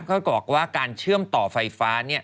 เขาบอกว่าการเชื่อมต่อไฟฟ้า